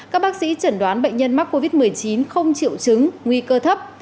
các bác sĩ chẩn đoán bệnh nhân mắc covid một mươi chín không triệu chứng nguy cơ thấp